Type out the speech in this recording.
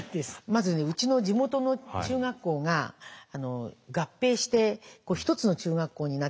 まずねうちの地元の中学校が合併して１つの中学校になったんです。